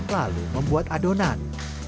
lalu membuat adonan